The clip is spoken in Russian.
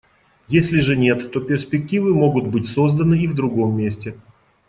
Если же нет, то перспективы могут быть созданы и в другом месте.